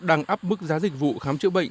đang áp mức giá dịch vụ khám chữa bệnh